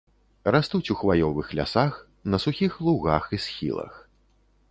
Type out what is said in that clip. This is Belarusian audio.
Растуць у хваёвых лясах, на сухіх лугах і схілах.